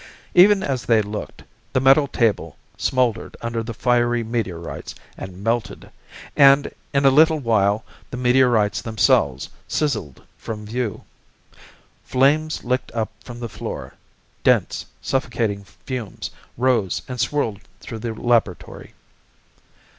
Even as they looked, the metal table smoldered under the fiery meteorites and melted, and in a little while the meteorites themselves sizzled from view. Flames licked up from the floor; dense, suffocating fumes rose and swirled through the laboratory.